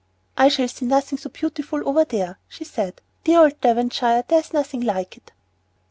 "I shall see nothing so beautiful over there," she said. "Dear old Devonshire, there's nothing like it."